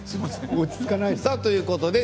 落ち着かないか。